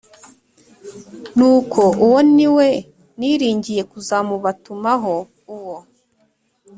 Nuko uwo ni we niringiye kuzamubatumaho uwo